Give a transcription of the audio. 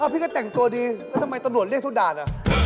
พี่ก็แต่งตัวดีแล้วทำไมตำรวจเรียกทุกด่าน